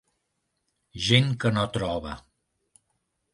Gent que no troba.